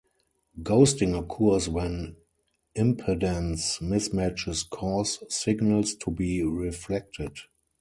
Ghosting occurs when impedance mismatches cause signals to be reflected.